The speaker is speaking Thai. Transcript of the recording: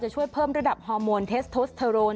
ช่วยเพิ่มระดับฮอร์โมนเทสโทสเทอโรน